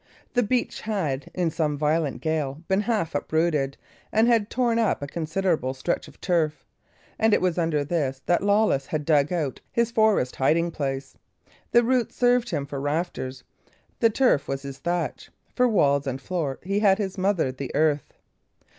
The beech had, in some violent gale, been half uprooted, and had torn up a considerable stretch of turf and it was under this that old Lawless had dug out his forest hiding place. The roots served him for rafters, the turf was his thatch; for walls and floor he had his mother the earth.